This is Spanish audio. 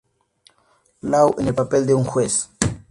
Law" en el papel de un juez.